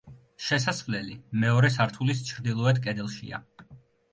შესასვლელი მეორე სართულის ჩრდილოეთ კედელშია.